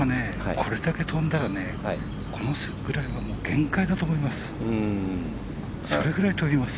これだけ飛んだら、このぐらいが限界だと思います。